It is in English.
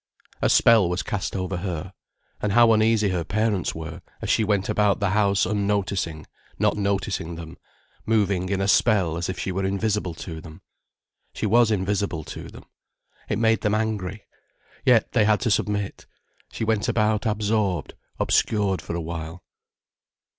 A spell was cast over her. And how uneasy her parents were, as she went about the house unnoticing, not noticing them, moving in a spell as if she were invisible to them. She was invisible to them. It made them angry. Yet they had to submit. She went about absorbed, obscured for a while.